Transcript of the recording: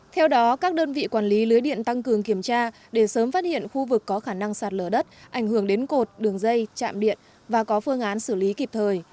theo đó các đơn vị quản lý lưới điện tăng cường kiểm tra để sớm phát hiện khu vực có khả năng sạt lở đất ảnh hưởng đến cột đường dây chạm điện và có phương án xử lý kịp thời